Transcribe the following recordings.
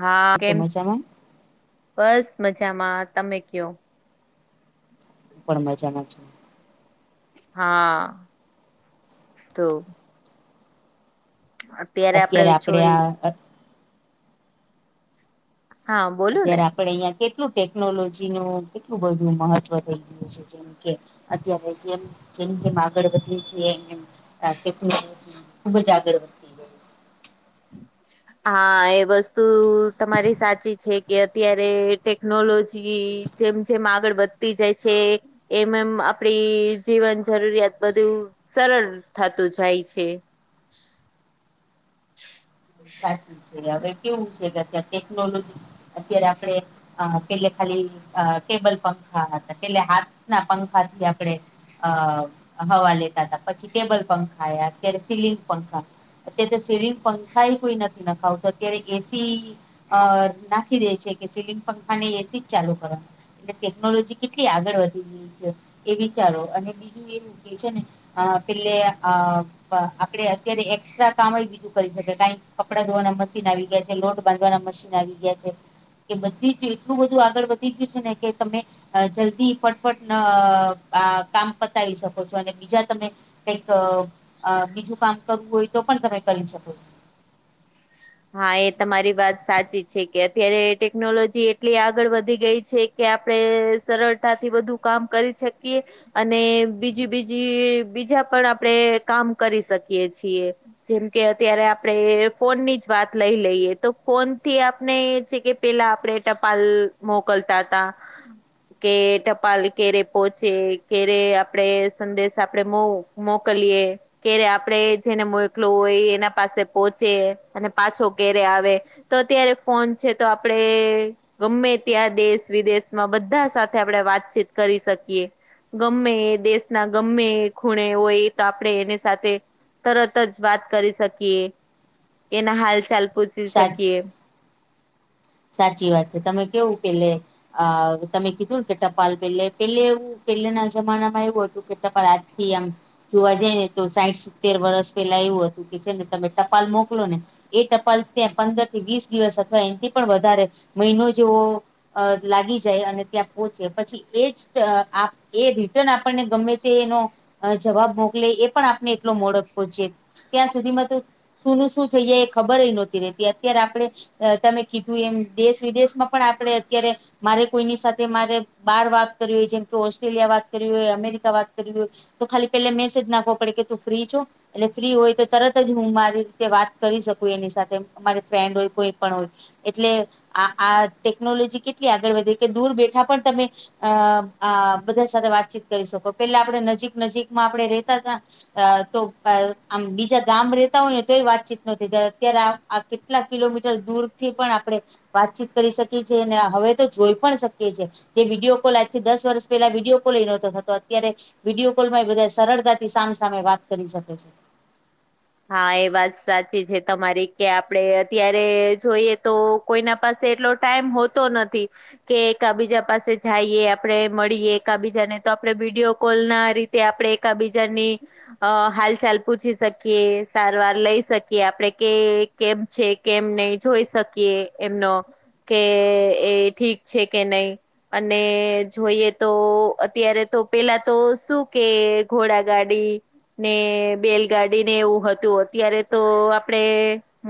હા છો કેમ મજામાં બસ મજામાં તમે કયો? પણ મજામાં છુ. હા તો અત્યારે આપડે જોઈ હા બોલો ને પણ અહિયાં કેટલું ટેકનોલોજી નુ કેટલું બધું મહત્વ થઈ ગયું છે જે કે અત્યારે જેમ જેમ જેમ આગળ વધીએ છીએ તેમ ટેક્નોલોજી ખૂબ જ આગળ [inaudible] હા એ વસ્તુ તમારી છે કે અત્યારે ટેકનોલોજી જેમ જેમ આગળ વધતી જાય છે એમ એમ આપડી જીવન જરૂરિયાત બધું સરળ થતું જાય છે. [inaudible] સાચું છે હવે કેવું છે કે અત્યારે ટેકનોલોજી અત્યારે આપણે અ પેલે ખાલી અ ટેબલ પંખા ને પેલે હાથના પંખાથી આપણે અ હવા લેતા તા. પછી ટેબલ પંખા આયા, અત્યારે સીલિંગ પંખા. અત્યારે તો સિલિંગ પંખા એ કોઈ નથી નખાવતુ અત્યારે એસી અ નાખી દે છે કે સિલિંગ પંખા નઈ એસી જ ચાલુ કરવાની. એટલે ટેકનોલોજી કેટલી આગળ વધી ગઈ છે એ વિચારો. અને બીજું એવું કે છે ને અ પેલે અ બ આપડે અત્યારે એક્સ્ટ્રા કામેય બીજું કરી શકે. [unintelligible] કપડા ધોવાના મશીન આવી ગયા છે, લોટ બાંધવાના મશીન આવી ગયા છે. કે બધી જ એટલું બધું આગળ વધી ગયું છે ને કે તમે અ જલ્દી ફટફટ અ આ કામ પતાવી શકો છો. અને બીજા તમે કઈક અ બીજું કામ કરવું હોય તો પણ તમે કરી શકો છો. હા એ તમારી વાત સાચી છે. કે અત્યારે ટેકનોલોજી એટલી આગળ વધી ગઈ છે કે આપણે સરળતાથી બધું કામ કરી શકીએ. અને બીજી બીજી બીજા પણ આપડે કામ કરી શકીયે છીએ. જેમ કે અત્યારે આપડે ફોનની જ વાત લઈ લઈએ તો ફોનથી આપણે છે કે પેલા આપણે ટપાલ મોકલતા તા. કે ટપાલ ક્યારે પોહચે, ક્યારે આપડે સંદેશ આપડે મો મોકલીએ, ક્યારે આપણેે જેને મોકલ્યુ હોય એ એના પાસે પોહચે. અને પાછો ક્યારે આવે. તો અત્યારે ફોન છે તો આપડે ગમે ત્યાં દેશ વિદેશમાં બધા સાથે આપણે વાતચીત કરી શકીએ. ગમે એ દેશના ગમે એ ખૂણે હોય એ તો આપણે એની સાથે તરત જ વાત કરી શકીએ, એના હાલચાલ પૂછી છો સાચ શકીએ. સાચી વાત છે. તમે કેવું પેલે અ તમે કીધુંને કે ટપાલ પેલે પેલે એવું પેલાના જમાનામાં એવું હતું કે ટપાલ આજથી આમ જોવા જઈએ તો સાઈઠ સિત્તેર વર્સ પેલા એવું હતું કે છે ને તમે ટપાલ મોકલો ને એ ટપાલ ત્યાં પંદરથી વીસ દિવસ અથવા એનથી પણ વધારે મહિનો જેવો અ લાગી જાય અને ત્યાં પોહોંચે. પછી એજ ટ આ એ રિટર્ન આપણને ગમે તે એનો જવાબ મોકલે એ પણ આપને એટલો મોડો પહોંચે. ત્યાં સુધીમાં તો શુંનું શું થઈ જાય એ ખબર એ નોતી રેતી. અત્યારે આપડે એ તમે કીધું એમ દેશ વિદેશમાં પણ આપણેે અત્યારે મારે કોઈની સાથે મારે બાર વાત કરવી હોય. જેમ કે ઓસ્ટ્રેલિયા વાત કરવી હોય, અમેરિકા વાત કરવી હોય. તો ખાલી પેલે મેસેજ નાખવો પડે કે તું ફ્રી છો. એટલે ફ્રી હોય તો તરત જ હું મારી રીતે વાત કરી શકું એની સાથે. અમારી ફ્રેન્ડ હોય કોઈ પણ હોય. એટલે આ આ ટેકનોલોજી કેટલી આગળ વધી કે દુર બેઠા પણ તમે અ આ બધા સાથે વાતચીત કરી શકો. પેલા આપણે નજીક નજીકમાં આપણે રેતા તા. અ તો આમ બીજા ગામ રેતા હોય ને તોય વાતચીત નથી અત્યારે આ કેટલા કિલો કિલોમીટર દૂરથી પણ આપણે વાતચીત કરી શકીએ છીએ. અને હવે તો જોઈ પણ શકયે છે. જે વિડીયો કોલ આજથી દસ વર્ષ પેલા વિડીયો કોલ એ નોતો થત તો અત્યારે વિડીયો કોલમાં એ બધા સરળતાથી સામ સામે વાત કરી શકે છે. હા એ વાત સાચી છે તમારી કે આપણે અત્યારે જોઈએ તો કોઈના પાસે એટલો ટાઈમ હોતો નથી. કે એકબીજા પાસે જઈએ આપણે મળીએ એકાબીજાને તો આપડે વિડિયો કોલના રી આપણે એકબીજાની અ હાલચાલ પૂછી શક કે સારવાર લઈ શકીએ આપડે કે કેમ છે કેમ નઈ જોઈ શકીએ એમનો કે એ ઠીક છે કે નઈ અને જોઈએ તો અત્યારે તો પેલા તો શું કે ઘોડા ગાડી ને બેલગાડી ને એવું હતું. અત્યારે તો આપડે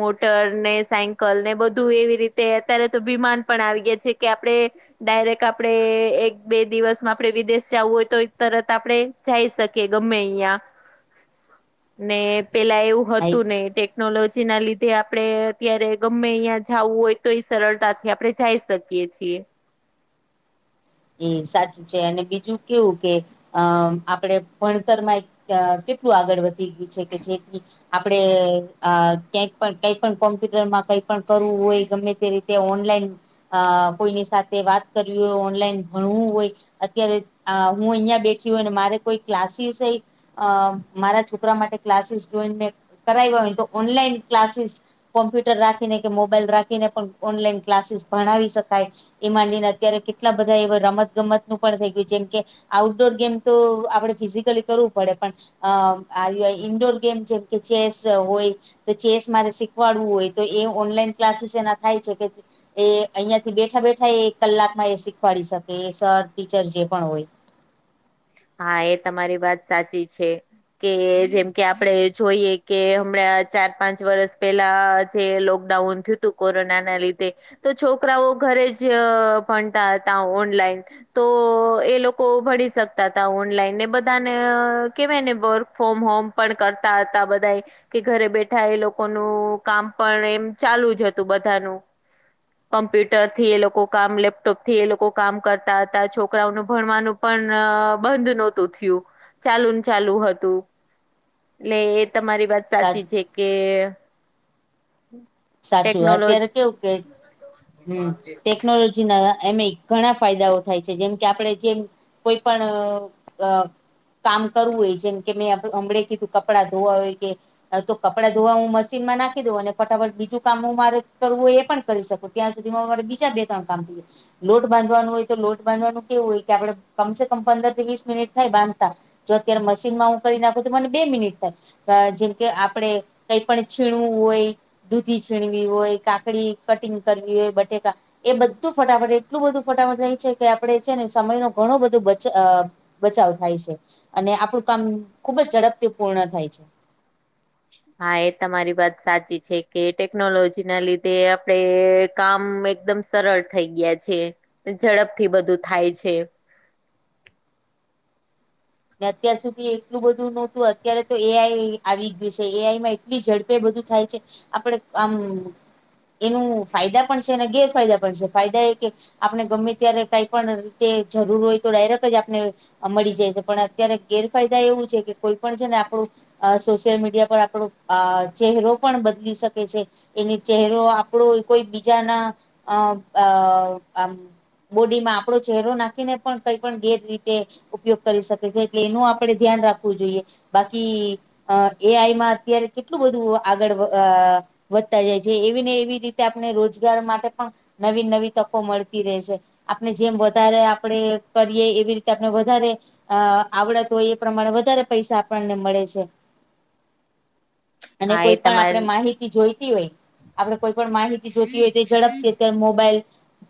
મોટર ને સાયકલ ને બધું એવી રીતે અત્યારે તો વિમાન પણ આવી ગયા છે કે આપડે ડાયરેક્ટ આપણે એક બે દિવસમાં આપડે વિદેશ જાવું હોય તો તરત આપણે જાઈ શકીએ ગમે અહીંયા ને પેલા એવું હતું નઇ ટેક ટેકનોલોજીના લીધે આપણે અત્યારે ગમે અહીંયા જાવું હોય તો એ સરળતાથી આપણેે જાઈ શક શકીએ છીએ. એ સાચું છે. અને બીજુ કેવું કે અ આપડે ભણતરમાં કેટલું આગળ વધી ગયું છે કે જેથી આપણેે અ ક્યાં પણ કઈ પણ કોમ્પ્યુટરમાં કઈ પણ કરવું હોય ગમે તે રીતે ઓનલાઈન અ કોઈની સાથે વાત કરવી હોય ઓનલાઈન ભણવું હોય અત્યારે હું અહિયાં બેઠી હોય મારે કોઈ ક્લાસીસ અ મારા છોકરા માટે ક્લાસીસ જોઈન મે કરાવ્યા હોય તો ઓનલાઈન ક્લાસીસ કોમ્પ્યુટર રાખીને કે મોબાઈલ રાખીને પણ ઓનલાઈન ક્લાસીસ ભણાવી શકાય. એ માટે ના અત્યારે કેટલા બધ રમત ગમતનું પણ થઈ ગયું. જેમ કે આઉટડોર ગેમ તો આપણે ફિઝિકલી કરવું પડે પણ અ આવી ઈન્ડોર ગેમ છે. જેમ કે ચેસ હોય કે ચેસ માટે શીખવાડવું હોય તો એ ઓનલાઈન ક્લાસીસ એના થાય છે કે એ અહિયાંથી બેઠા બેઠા એ એક કલાકમાં એ શીખવાડી શકે સર ટીચર જે પણ હોય હા એ તમારી વાત સાચી છે. કે જેમ કે આપડે જોઈએ કે હમણાં ચાર પાંચ વર્ષ પેલા જે લોકડાઉન કોરોના ના લીધે. તો છોકરાઓ ઘરે જ ભણતા હતા ઓનલાઈન તો એ લોકો ભણી શક તા હતા ઓનલાઈન એ બધાને કેવાય વર્ક ફ્રોમ હોમ પણ કરતા હતા બધા એ કે ઘરે બેઠા એ લોકોનું કામ પણ એમ ચાલુ જ હતું બધાનુ કમ્પ્યુટરથી એ લોકો કામ લેપટોપથી એ લોકો કામ કરતા તા છોકરાઓનું ભણવાનું પણ અ બંધ નતું થયું. ચાલુ ને ચાલુ હતું. એટલે એ તમારી વાત સા સાચી છે કે સાચું ટેકનોલોજ અત્યારે કેવું કે, હમ્મ ટેકનોલોજીના એમેય ઘણા ફાયદાઓ થાય છે. જેમ કે આપણે જેમ કોઈ પણ અ કામ કરવું હોય જેમ કે મેં હમળે કીધું કપડાં ધોવા હોય કે, હા તો કપડાં ધોવા હું મશીનમાં નાખી દઉં. અને ફટાફટ બીજું કામ હું મારી રીતે કરવું હોય એ પણ કરી શકું ત્યાં સુધીમાં અમારે બીજા બે તણ કામ થઈ જાય લોટ બાંધવાનું હોય તો લોટ બાંધવાનું કેવું હોય કે આપડે કમ સે કમ પંદર થી વીસ મિનિટ થાય બાંધતા જો અત્યારે મશીનમાં હું કરી નાખું તો મને બે મિનિટ થાય અ જેમ કે આપણેે કંઈ પણ છીણવું હોય દૂધી છીણવી હોય, કાકડી કટિંગ કરવી હોય, બટેટા એ બધું ફટાફટ એટલું બધું ફટાફટ થાય છે, કે આપણે છે ને સમય નો ઘણો બધો બચ અ બચાવ થાય છે. અને આપણું કામ ખુબ જ ઝડપથી પૂર્ણ થાય છે. હા એ તમારી વાત સાચી છે, કે ટેકનોલોજી ના લીધે આપડે કામ એકદમ સરળ થઈ ગયા છે, ને ઝડપથી બધું થાય છે. ને અત્યાર સુધી એટલું બધું નહોતું, અત્યારે તો એ આઈ આવી ગયું છે, એ આઈ માં એટલી ઝડપે બધું થાય છે. આપણે આમ એનું ફાયદા પણ છે, અને ગેરફાયદા પણ છે. ફાયદા એ કે આપણે ગમે ત્યારે કાંઈ પણ રીતે જરૂર હોય તો ડાયરેક્ટ જ આપને મળી જાય. પણ અત્યારે ગેરફાયદા એવું છે કે કોઈ પણ છે ને આપણું અ સોશિયલ મીડિયા પર આપણું અ ચહેરો પણ બદલી શકે છે. એની ચહેરો આપણો કોઈ બીજાના અ અ બોડી માં આપણો ચહેરો નાખીને પણ કંઈ પણ ગેર રીતે ઉપયોગ કરી શકે છે. એટલે એનું આપડે ધ્યાન રાખવું જોઈએ. બાકી હ એ આઈમાં અત્યારે કેટલું બધું આગળ વ વધતા જાય છે. એવી ને એવી રીતે આપને રોજગાર માટે પણ નવી-નવી તકો મળતી રહે છે. આપણે જેમ વધારે આપણે કરીએ એવી રીતે આપનણે વધારે અ આવડત હોય એ પ્રમાણે વધારે પૈસા આપણને મળે છે. અને હા એ કોઈ પણ આપણે તમારી માહિતી જોઈતી હોય આપણે કોઈ પણ માહિતી જોતી હોય તો ઈ ઝડપથી અત્યારે મોબાઈલ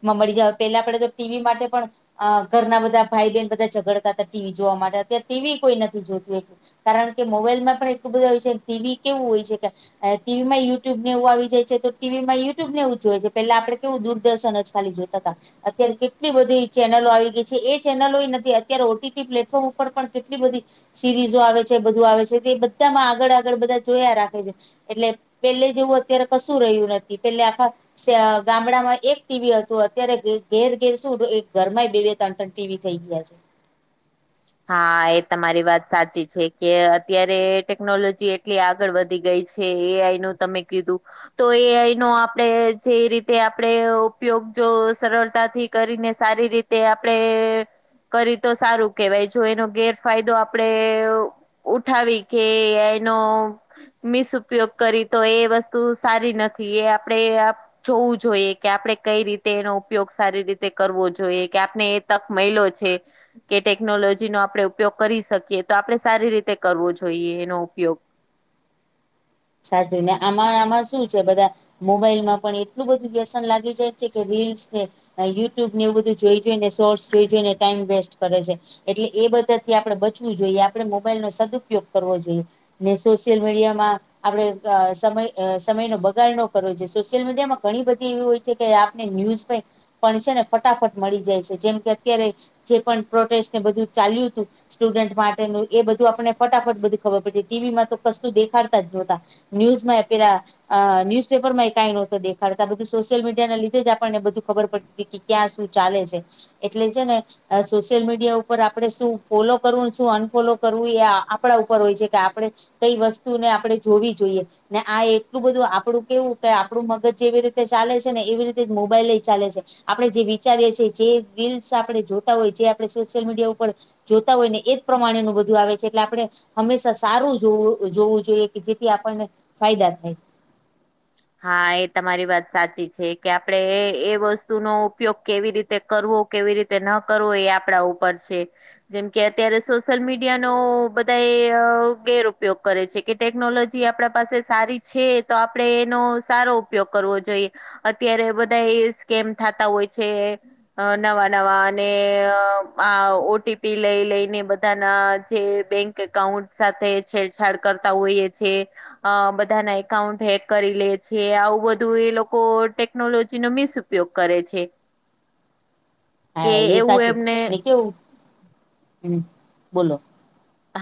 માં મળી જાવા. પેલા આપણે તો ટી વી માટે પણ અ ઘરના બધા ભાઈ બહેન બધા ઝઘડતા તા ટી વી જોવા માટે, અત્યારે ટી વી કોઈ નથી જોતું એટલું. કારણ કે મોબાઈલ માં પણ એટલું બધું આવે છે. કે ટી વી કેવું હોય છે કે અ ટીવી માંય યુટ્યુબ ને એવું આવી જાય છે, તો ટીવી માં યુટ્યુબ ને એવું જોવે છે. પેલા આપણે કેવું દૂરદર્શન જ ખાલી જોતા તા, અત્યારે કેટલી બધી ચેનલો આવી ગઈ છે. એ ચેનલોઈ નથી. અત્યારે ઓ ટી ટી પ્લેટફોર્મ ઉપર પણ કેટલી બધી સિરીઝો આવે છે, બધું આવે છે, તે બધામાં આગળ-આગળ બધા જોયા રાખે છે. એટલે પેલે જેવું અત્યારે કશું રહ્યું નથી. પેલે આખા ગામડામાં એક ટીવી હતું, અત્યારે ઘે ઘેર-ઘેર શું, એક ઘરમાંય બે-બે તન-તન ટીવી થઈ ગયા છે. હા એ તમારી વાત સાચી છે, કે અત્યારે ટેકનોલોજી એટ કે આગળ વધી ગઈ છે. એ આઈનું તમે કીધું તો એ આઈનો આપણે જે રીતે આપણેે ઉપયોગ જો સરળતાથી કરીને સારી રીત તે આપડે કરી તો સારું કેવાય, જો એનો ગેરફાયદો આપડે ઉઠાવી કે એ આઈનો મિસ ઉપયોગ કરી તો એ વસ્તુ સારી નથી. એ આપણેે આપ જોવું જોઈએ કે આપણે કંઈ રીતે એનો ઉપયોગ સારી રીતે કરવો જોઈએ, કે આપને એ તક મઈલો છે. કે ટેકનોલોજીનો આપણે ઉપયોગ કરી શકીએ, તો આપણે સારી રીતે કરવો જોઈએ એનો ઉપયોગ. સાચું. ને આમાં-આમાં શું છે બધા મોબાઈલમાં પણ એટલું બધું વ્યસન લાગ ગી જાય છે, કે રિલ્સ ને અ યુટ્યુબને એવું બધું જોઈ જોઈને, શોર્ટસ જોઈ જોઈને ટાઈમ વેસ્ટ કરે છે. એટલે એ બધાથી આપણે બચવું જોઈએ. આપણે મોબાઈલ નો સદ ઉપયોગ કરવો જોઈએ. ને સોશિયલ મીડિયામાં આપણે સમય અ સમયનો બગાડ નો કરવો જોઈએ. સોશિયલ મીડિયા માં ઘણી બધી એવી હોય છે કે આપને ન્યૂઝ [unintelligible] પણ છે ને ફટાફટ મળી જાય છે. જેમ કે અત્યારે જે પણ પ્રોટેસ્ટ ને બધું ચાલ્યું તું સ્ટુડન્ટ માટેનું એ બધું આપણે ફટાફટ બધું ખબર પડે ટીવીમાં તો કશું દેખાતા જ નો હતા ન્યુઝમાં પેલા અ ન્યુઝ પેપરમાં કાઈ નોતા દેખાડતા બધું સોશિયલ મીડિયા ના લીધે જ આપણને બધું ખબર પડતી તી ત્યાં શું ચાલે છે? એટલે છે ને.. સોશિયલ મીડિયા ઉપર આપડે શું ફોલો કરવું શું અનફોલો કરવું એ આપડા ઉપર હોય છે કે આપડે કઈ વસ્તુને આપડે જોવી જોઈએ? ને આ એટલું બધું આપડું કેવું કે આપડું મગજ જેવી રીતે ચાલે છે ને એવી રીતે જ મોબાઈલ ચાલે છે. આપડે જે વિચારીએ છીએ જે રીલ્સ આપડે જોતા હોય જે આપડે સોશિયલ મીડિયા ઉપર જોતા હોય ને એ જ પ્રમાણે નું બધું આવે છે એટલે આપડે હંમેશા સારું જોવું જોવું જોઈએ કે જેથી આપણને ફાયદા થાય હા, એ તમારી વાત સાચી છે કે આપડે એ વસ્તુનો ઉપયોગ કેવી રી તે કરવો કેવી રીતે ન કરવો એ આપડા ઉપર છે જેમ કે અત્યારે સોશિયલ મીડિયાનો બધા એ ગેરપયોગ કરે છે. કે ટેકનોલોજી આપડા પાસે સારી છે તો આપડે એનો સારો ઉપયોગ કરવો જોઈએ. અત્યારે બધા એ સ્કેમ થાતા હોય છે અ નવા નવા અને આ ઓટીપી લઈ લઈને બધાના જે બેંક એકાઉન્ટ સાથે છેડછાડ કરતા હોઈએ છે અ બધાના એકાઉન્ટ હેક કરી લે છે આવું બધું એ લોકો ટેકનોલોજી નો મિસ ઉપયોગ કરે છે. [unintelligible] કે હા, એ એવું સાચું એમને ને કેવું હ બોલો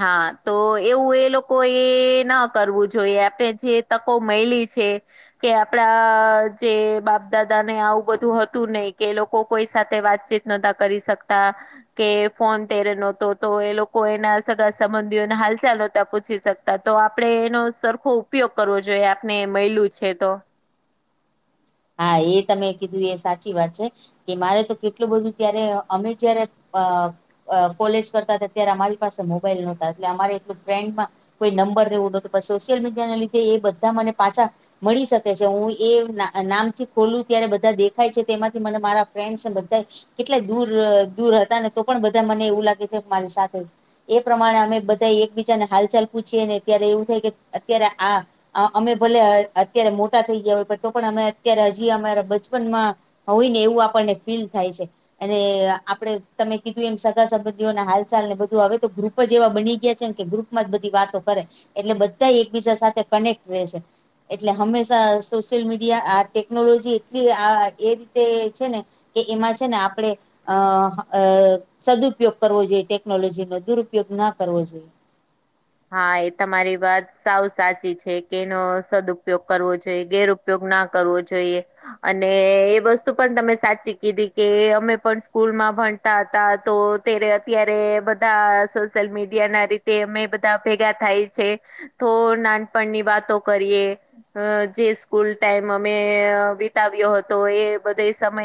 હા, તો એવું એ લોકો એ ના કરવું જોઈએ આપને જે તકો મયલી છે કે આપડા જે બાપ દાદા ને આવું બધું હતું નય કે એ લોકો કોઈ સાથે વાતચીત નતા કરી શકતા કે ફોન તેરે નહતો તો એ લોકો એના સગા સંબંધીઓને હાલ ચાલતા પૂછી શકતા તો આપણે એનો સરખો ઉપયોગ કરવો જોઈએ આપને મયલું છે તો. હા, એ તમે કીધું એ સાચી વાત છે. કે મારે તો કેટલું બધું ત્યારે અમે જયારે અ કોલેજ કરતા તા ત્યારે અમારી પાસે મોબાઈલ ન હોતા એટલે અમારે એટલું ફ્રેન્ડમાં કોઈ નંબર ને એવું ન હતુ પરંતુ સોશિયલ મીડિયા ના લીધે એ બધા મને પાછા મળી શકે છે હું એ ના નામથી ખોલું ત્યારે બધા દેખાય છે તેમાંથી મને મારા ફ્રેન્ડસને બધા કેટલા દૂર દૂર હતા ને તો પણ બધા મને એવું છે સાથે જ એ પ્રમાણે અમે બધા એકબીજાને હાલચાલ પૂછીએ ને ત્યારે એવું થાય કે અત્યારે આ અમે ભલે અત્યારે મોટા થઈ ગયા હોય પતો પણ અમે અત્યારે હજી અમારા બચપનમાં હોય ને એવું આપણને ફીલ થાય છે. અને આપડે તમે કીધું એમ સગા સંબંધીઓ ના હાલચાલને બધું આવે તો ગ્રુપ જ એવા બની ગયા છે ને કે ગ્રુપ માંજ બધી વાતો કરે એટલે બધા એકબીજા સાથે કનેક્ટ રહેેશે એટલે હંમેશા સોશિયલ મીડિયા આ ટેકનોલોજી એટલી આ એ રીતે છે ને. કે એમાં છે ને આપડે અ સદુપયોગ કરવો જોઈએ ટેકનોલોજી નો દુરુપયોગ ના કરવો જોઈએ. હા, એ તમારી વાત સાવ સાચી છે કે એનો સદઉપયોગ કરવો જોઈએ ગેર ઉપયોગ ના કરવો જોઈએ. અને એ વસ્તુ પણ તમે સાચી કીધી કે અમે પણ સ્કૂલ માં ભણ હતા તોયારે અત્યારે બધા સોશિયલ મીડિયા ના રીતે અમે બ તા ભેગા થાય છે તો નાનપણની વાતો કરીએ. અ જે સ્કૂલ ટાઈમ અમે વિતાવ્યો હતો એ બધા સમય